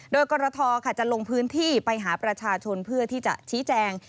โดยกรทจะลงพื้นที่ไปหาประชาชนเพื่อที่จะชี้แจง